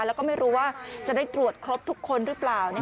แล้วก็ไม่รู้ว่าจะได้ตรวจครบทุกคนหรือเปล่า